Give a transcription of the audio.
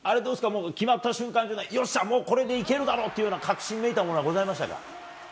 もう決まった瞬間っていうのは、よっしゃ、これでいけるだろうというような確信めいたものはございましたか？